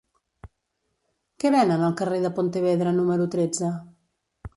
Què venen al carrer de Pontevedra número tretze?